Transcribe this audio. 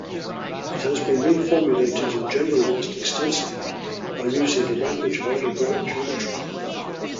It has been reformulated and generalized extensively, by using the language of algebraic geometry.